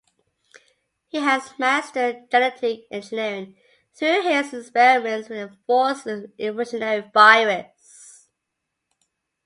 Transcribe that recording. He has mastered genetic engineering through his experiments with the Forced Evolutionary Virus.